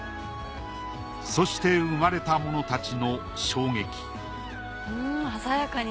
そして生まれたものたちの衝撃